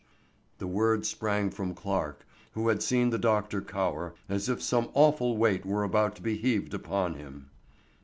The word sprang from Clarke, who had seen the doctor cower, as if some awful weight were about to be heaved upon him.